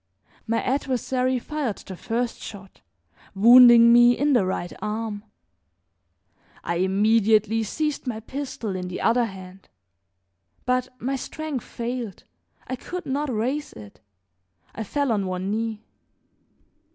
My adversary fired the first shot, wounding me in the right arm. I immediately seized my pistol in the other hand; but my strength failed, I could not raise it; I fell on one knee.